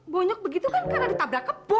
bonyok begitu kan karena ditabrak kepu